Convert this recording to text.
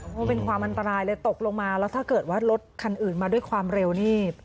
เพราะเป็นความอันตรายเลยตกลงมาแล้วถ้าเกิดว่ารถคันอื่นมาด้วยความเร็วนี่